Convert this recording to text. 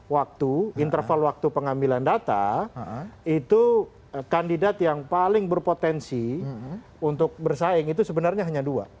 waktu interval waktu pengambilan data itu kandidat yang paling berpotensi untuk bersaing itu sebenarnya hanya dua